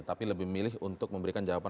tapi lebih memilih untuk memberikan jawaban